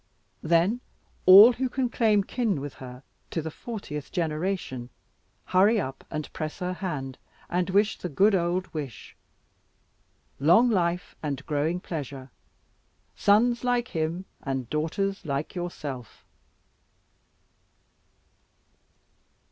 Then all who can claim kin with her, to the fortieth generation, hurry up and press her hand, and wish the good old wish. "Long life and growing pleasure, sons like him, and daughters like yourself."